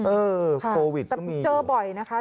เออโควิดก็มีอยู่แต่เจอบ่อยนะคะ